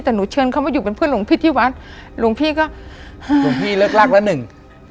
แต่หนูเชิญเขามาอยู่เป็นเพื่อนหลวงพี่ที่วัดหลวงพี่ก็ห้าหลวงพี่เลิกลากแล้วหนึ่ง